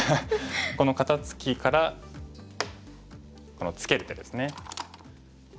この肩ツキからこのツケる手ですね。